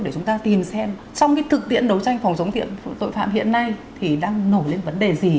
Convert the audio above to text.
để chúng ta tìm xem trong cái thực tiễn đấu tranh phòng chống thiện tội phạm hiện nay thì đang nổi lên vấn đề gì